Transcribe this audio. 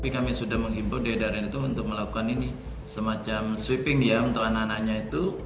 kami sudah menghimpun di edaran itu untuk melakukan ini semacam sweeping ya untuk anak anaknya itu